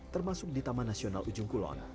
termasuk di taman nasional ujung kulon